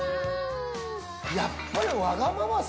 やっぱりわがままさ